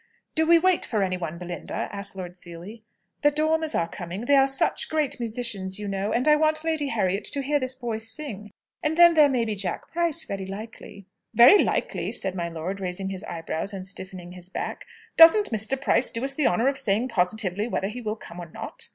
"Do we wait for any one, Belinda?" asked Lord Seely. "The Dormers are coming. They're such great musicians, you know. And I want Lady Harriet to hear this boy sing. And then there may be Jack Price, very likely." "Very likely?" said my lord, raising his eyebrows and stiffening his back. "Doesn't Mr. Price do us the honour of saying positively whether he will come or not?"